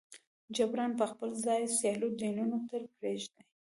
جبراً به خپل ځای سیالو دینونو ته پرېږدي.